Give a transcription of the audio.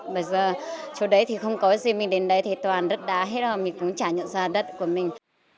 bây giờ chỗ đấy thì không có gì mình đến đấy thì toàn đất đá hết rồi mình cũng trả nhận ra đất của mình